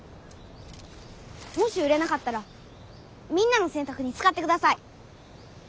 もし売れなかったらみんなの洗濯に使ってください。